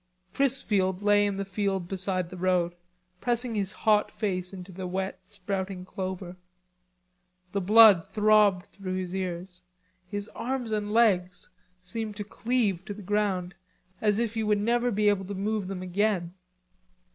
Chrisfield lay in the field beside the road, pressing his hot face into the wet sprouting clover. The blood throbbed through his ears. His arms and legs seemed to cleave to the ground, as if he would never be able to move them again.